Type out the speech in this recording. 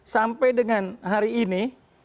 sampai dengan hari ini